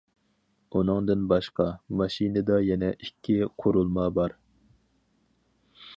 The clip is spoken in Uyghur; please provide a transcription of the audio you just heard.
ئۇنىڭدىن باشقا، ماشىنىدا يەنە ئىككى قۇرۇلما بار.